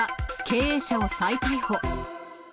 経営者を再逮捕。